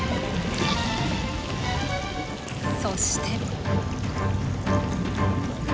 そして。